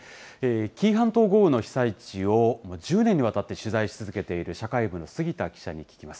紀伊半島豪雨の被災地を１０年にわたって取材し続けている社会部の杉田記者に聞きます。